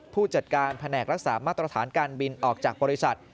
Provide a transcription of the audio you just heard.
ผู้จัดการแผนกรักษามาตรฐานการบินออกจากบริษัท